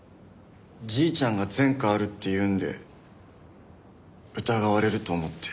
じいちゃんが前科あるって言うんで疑われると思って。